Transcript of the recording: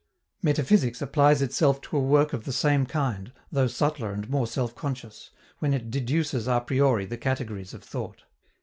Metaphysics applies itself to a work of the same kind, though subtler and more self conscious, when it deduces a priori the categories of thought.